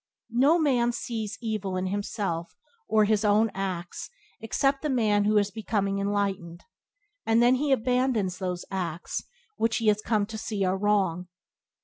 No man sees evil in himself or his own acts except the man who is becoming enlightened, and then he abandons those acts which he has come to see are wrong.